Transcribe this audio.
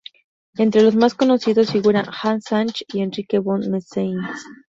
Entre los más conocidos figuran Hans Sachs y Enrique von Meissen.